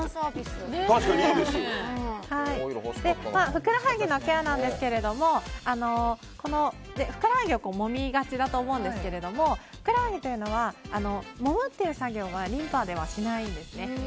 ふくらはぎのケアなんですけどふくらはぎをもみがちだと思いますけどふくらはぎってもむという作業はリンパではしないんですね。